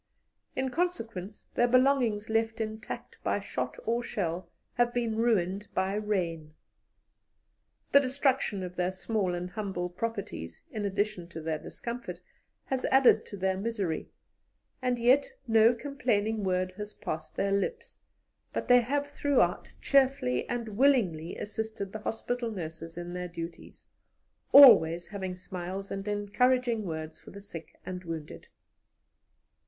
In consequence, their belongings left intact by shot or shell have been ruined by rain. The destruction of their small and humble properties, in addition to their discomfort, has added to their misery; and yet no complaining word has passed their lips, but they have throughout cheerfully and willingly assisted the hospital nurses in their duties, always having smiles and encouraging words for the sick and wounded.